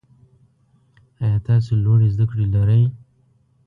آیا تاسو لوړي زده کړي لرئ؟